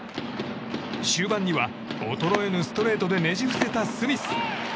終盤には衰えぬストレートでねじ伏せたスミス。